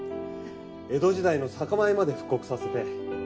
江戸時代の酒米まで復刻させて。